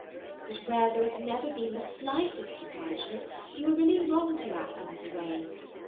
But where there has never been the slightest encouragement, you are really wrong to act in this way.